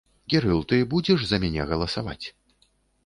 Кірыл, ты будзеш за мяне галасаваць?